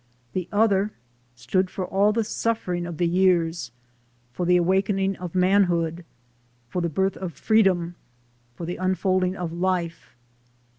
The other stood for all the suffering of the years, for the awakening of manhood, for the birth of freedom, for the unfolding of life.